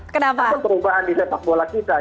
kenapa perubahan di sepak bola kita